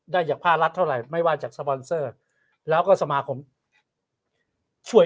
จากภาครัฐเท่าไหร่ไม่ว่าจากสปอนเซอร์แล้วก็สมาคมช่วย